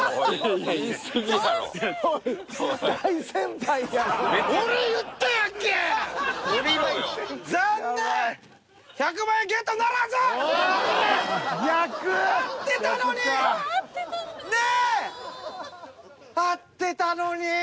合ってたのに。